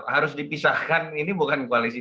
harus dipisahkan ini bukan koalisi